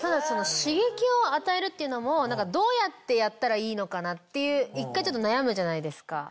刺激を与えるっていうのもどうやってやったらいいのかなって一回ちょっと悩むじゃないですか。